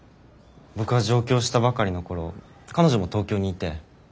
僕が上京したばかりの頃彼女も東京にいて。